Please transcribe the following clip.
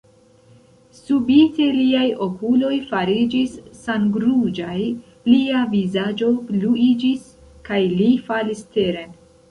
Subite liaj okuloj fariĝis sangruĝaj, lia vizaĝo bluiĝis, kaj li falis teren.